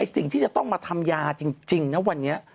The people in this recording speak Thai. สิ่งที่จะต้องมาทำยาจริงนะวันนี้